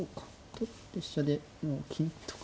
取って飛車でもう金とか。